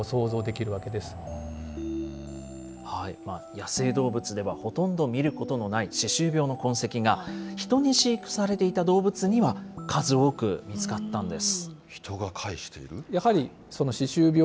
野生動物ではほとんど見ることのない歯周病の痕跡が、人に飼育されていた動物には数多く見つかったんです。